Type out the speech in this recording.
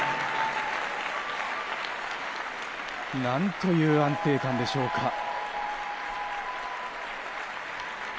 なんという安定感でしょうか。